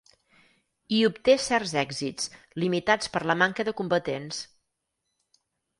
Hi obté certs èxits, limitats per la manca de combatents.